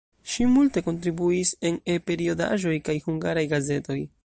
Ŝi multe kontribuis en E-periodaĵoj kaj hungaraj gazetoj.